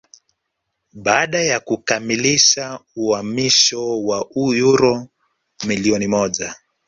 baada ya kukamilisha uhamisho wa uro milioni moja